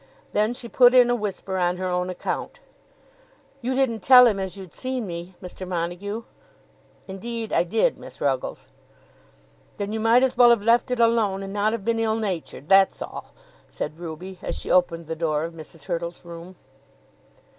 Then she put in a whisper on her own account. "You didn't tell him as you'd seen me, Mr. Montague?" "Indeed I did, Miss Ruggles." "Then you might as well have left it alone, and not have been ill natured, that's all," said Ruby as she opened the door of Mrs. Hurtle's room.